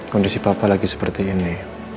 kondisi papa lagi seperti ini